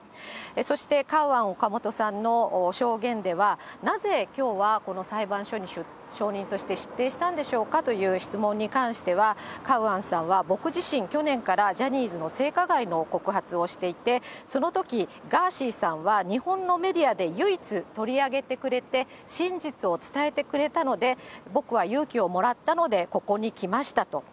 そしてカウアン・オカモトさんの証言では、なぜきょうはこの裁判所に証人として出廷したんでしょうかという質問に関しては、カウアンさんは、僕自身、去年からジャニーズの性加害の告発をしていて、そのとき、ガーシーさんは日本のメディアで唯一取り上げてくれて、真実を伝えてくれたので、僕は勇気をもらったので、ここに来ましたと。